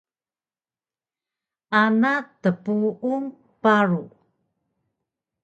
ana tpung paru